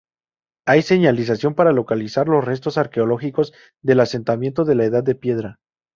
Hay señalización para localizar los restos arqueológicos del asentamiento de la Edad de piedra.